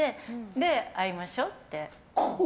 で、会いましょうって。